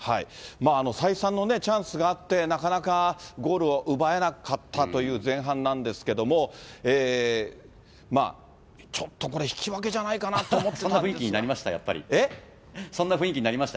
再三のチャンスがあって、なかなかゴールを奪えなかったという前半なんですけども、ちょっとこれ、引き分けじゃないかなそんな雰囲気になりました？